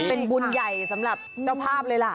เป็นบุญใหญ่สำหรับเจ้าภาพเลยล่ะ